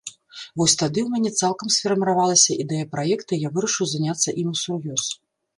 Вось тады ў мяне цалкам сфарміравалася ідэя праекта і я вырашыў заняцца ім усур'ёз.